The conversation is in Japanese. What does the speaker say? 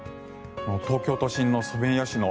東京都心のソメイヨシノ